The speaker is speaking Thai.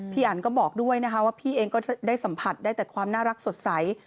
อันก็บอกด้วยนะคะว่าพี่เองก็ได้สัมผัสได้แต่ความน่ารักสดใส